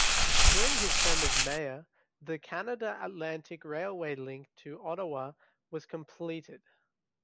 During his term as mayor, the Canada Atlantic Railway link to Ottawa was completed.